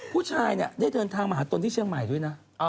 ผู้ชายเนี่ยได้เดินทางมาหาตนที่เชียงใหม่ด้วยนะ